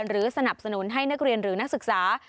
สนับสนุนให้นักเรียนหรือนักศึกษา